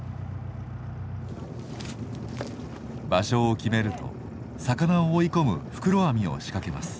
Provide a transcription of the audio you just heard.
場所を決めると魚を追い込む袋網を仕掛けます。